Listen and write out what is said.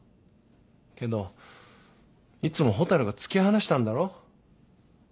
けどいつも蛍が突き放したんだろ。